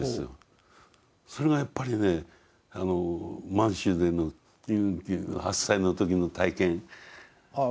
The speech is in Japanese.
それがやっぱりね満州での８歳の時の体験。